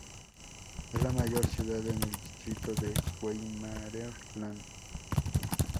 Es la mayor ciudad en el Distrito de Weimarer Land.